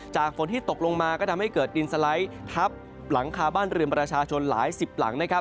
จากฝนที่ตกลงมาก็ทำให้เกิดดินสะลายทับหลังคาบ้านลื่นประชาชนหลายสิบหลัง